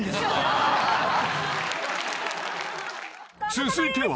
［続いては］